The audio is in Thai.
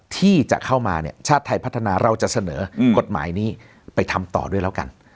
ที่จะเข้ามาเนี่ยชาติไทยพัฒนาเราจะเสนอกฎหมายนี้ไปทำต่อด้วยแล้วกัน